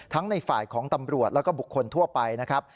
ในฝ่ายของตำรวจแล้วก็บุคคลทั่วไปนะครับ